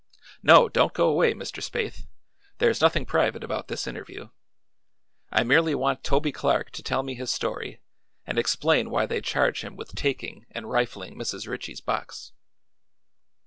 "No; don't go away, Mr. Spaythe; there's nothing private about this interview. I merely want Toby Clark to tell me his story and explain why they charge him with taking and rifling Mrs. Ritchie's box."